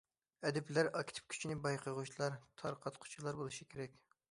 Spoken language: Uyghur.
ئەدىبلەر ئاكتىپ كۈچنى بايقىغۇچىلار، تارقاتقۇچىلار بولۇشى كېرەك.